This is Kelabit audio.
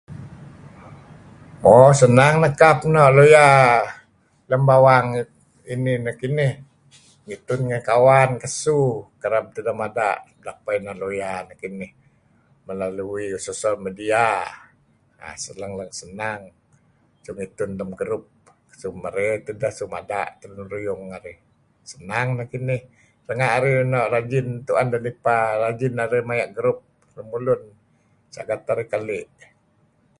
Mo senng nekap nok lawyer lem bawang inih nekinih. Ngitun ngen kawan ngesu kereb teh ideh mada' yapeh inan lawyer nekinih. Mala melalui mesosial media suk leng-leng senang mitun-mitun lem group. ngesu marey tideh lit mada tideh lun riyung narih. Senang nekinih renga' narih rajin tuen nipa lem group rajin maya' group saget teh arih keli'.